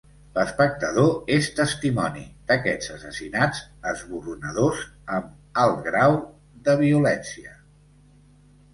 L'espectador és testimoni d'aquests assassinats esborronadors amb alt grau de violència.